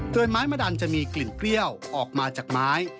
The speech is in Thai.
โดยไม้มะดันจะมีกลิ่นเปรี้ยวออกมาจากไม้